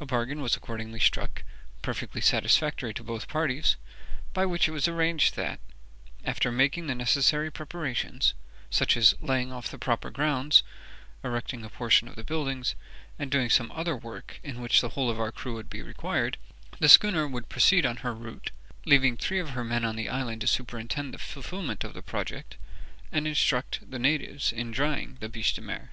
A bargain was accordingly struck, perfectly satisfactory to both parties, by which it was arranged that, after making the necessary preparations, such as laying off the proper grounds, erecting a portion of the buildings, and doing some other work in which the whole of our crew would be required, the schooner should proceed on her route, leaving three of her men on the island to superintend the fulfilment of the project, and instruct the natives in drying the biche de mer.